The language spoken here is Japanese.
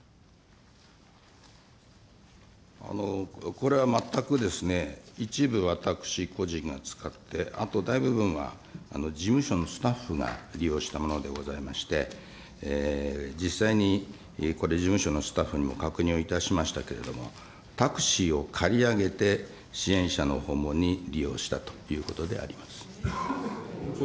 これは全く、一部私個人が使って、あと大部分は事務所のスタッフが利用したものでございまして、実際にこれ、事務所のスタッフにも確認をいたしましたけれども、タクシーを借り上げて支援者の訪問に利用したということであります。